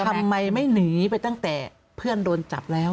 ทำไมไม่หนีไปตั้งแต่เพื่อนโดนจับแล้ว